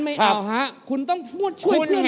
ไม่เอาฮะคุณต้องช่วยเพื่อนด้วย